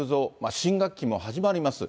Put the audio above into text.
新学期も始まります。